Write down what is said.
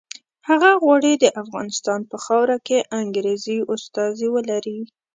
هغه غواړي د افغانستان په خاوره کې انګریزي استازي ولري.